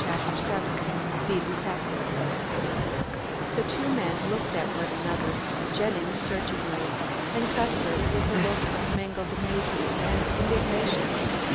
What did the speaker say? CHAPTER VII THE DETECTIVE The two men looked at one another, Jennings searchingly, and Cuthbert with a look of mingled amazement and indignation.